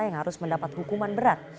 yang harus mendapat hukuman berat